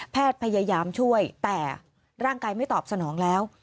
พยายามช่วยแต่ร่างกายไม่ตอบสนองแล้ว